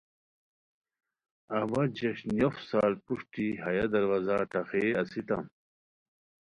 اوا جوش نیوف سال پروشٹی ہیہ دروازہ ٹھاخئیے اسیتام